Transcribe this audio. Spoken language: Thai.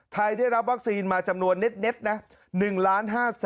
ได้รับวัคซีนมาจำนวนเน็ตนะ